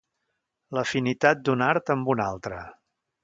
L'afinitat d'una art amb una altra.